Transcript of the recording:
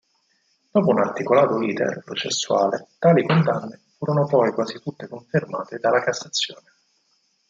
Dopo un articolato "iter" processuale tali condanne furono poi quasi tutte confermate dalla Cassazione.